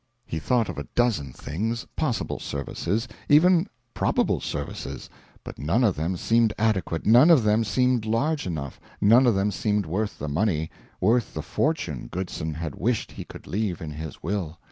He thought of a dozen things possible services, even probable services but none of them seemed adequate, none of them seemed large enough, none of them seemed worth the money worth the fortune Goodson had wished he could leave in his will.